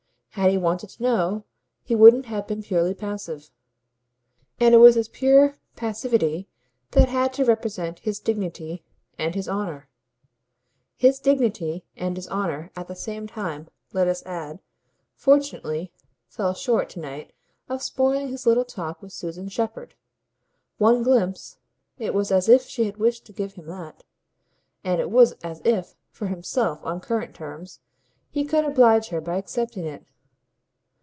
Had he wanted to know he wouldn't have been purely passive, and it was his pure passivity that had to represent his dignity and his honour. His dignity and his honour, at the same time, let us add, fortunately fell short to night of spoiling his little talk with Susan Shepherd. One glimpse it was as if she had wished to give him that; and it was as if, for himself, on current terms, he could oblige her by accepting it.